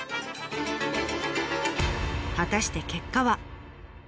果たして結果は。